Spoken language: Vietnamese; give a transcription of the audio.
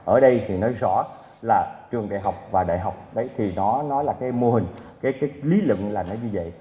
ở đây thì nói rõ là trường đại học và đại học đấy thì nó là cái mô hình cái lý lựng là nó như vậy